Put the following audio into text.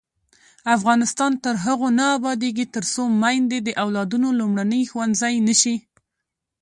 افغانستان تر هغو نه ابادیږي، ترڅو میندې د اولادونو لومړنی ښوونځی نشي.